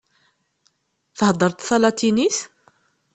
Theddreḍ talatinit?